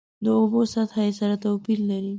د اوبو سطحه یې سره توپیر لري.